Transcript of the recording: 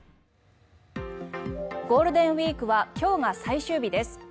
ゴールデンウィークは今日が最終日です。